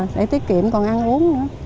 để tiết kiệm còn ăn uống nữa